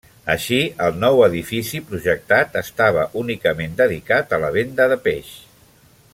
Així, el nou edifici projectat estava únicament dedicat a la venda de peix.